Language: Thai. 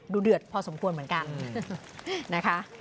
เดือดพอสมควรเหมือนกันนะคะ